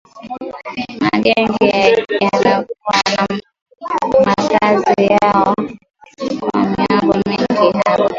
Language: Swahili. Magenge yamekuwa na makazi yao kwa miongo mingi hapo